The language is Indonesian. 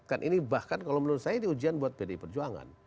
kan ini bahkan kalau menurut saya ini ujian buat pdi perjuangan